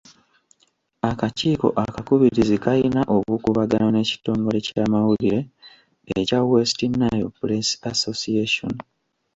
Akakiiko akakubirizi kayina obukuubagano n'ekitongole ky'amawulire ekya West Nile press association.